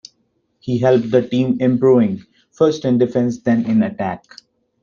He helped the team improving, first in defence then in attack.